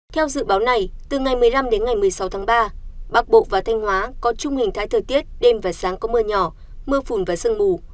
theo dự báo này từ ngày một mươi năm đến ngày một mươi sáu tháng ba bắc bộ và thanh hóa có chung hình thái thời tiết đêm và sáng có mưa nhỏ mưa phùn và sương mù